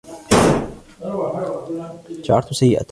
شعرت سيئة.